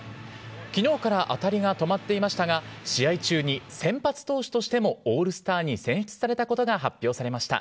きのうから当たりが止まっていましたが、試合中に先発投手としてもオールスターに選出されたことが発表されました。